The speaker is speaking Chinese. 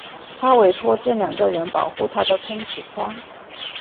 她委托这两个人保护她的公主花。